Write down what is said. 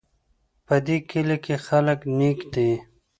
په دې کلي کې خلک نیک دي